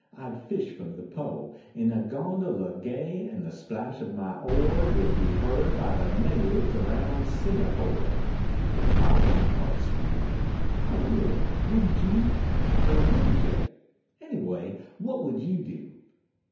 I d fish from the Po In a gondola gay and the splash of my oar Would be heard by the natives around Singapore . If my wife taught school. I would, wouldn t you? Er wouldn t yuh ? Knny way what would you do?